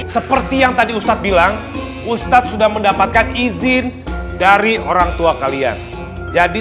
seperti yang tadi ustadz bilang ustadz sudah mendapatkan izin dari orang tua kalian jadi